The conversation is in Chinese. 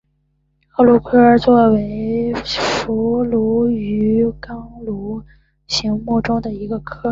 河鲈科为辐鳍鱼纲鲈形目的其中一个科。